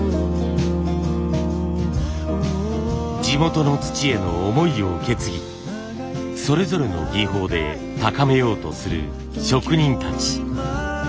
地元の土への思いを受け継ぎそれぞれの技法で高めようとする職人たち。